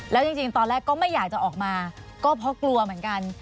แล้วจริงตอนแรกก็ไม่อยากจะออกมาก็เพราะกลัวเหมือนกัน